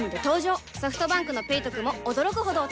ソフトバンクの「ペイトク」も驚くほどおトク